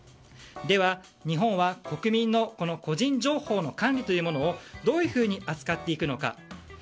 では、日本は国民の個人情報の管理というものをどういうふうに扱っていくのか。